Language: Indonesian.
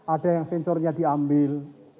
ada yang sensornya diambil